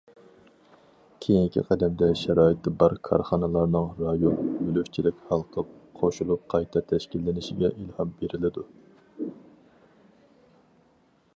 كېيىنكى قەدەمدە شارائىتى بار كارخانىلارنىڭ رايون، مۈلۈكچىلىك ھالقىپ قوشۇلۇپ قايتا تەشكىللىنىشىگە ئىلھام بېرىلىدۇ.